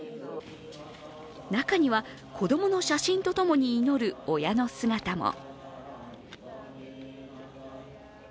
中には、子供の写真とともに祈る親の姿も。